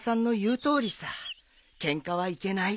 ケンカはいけない。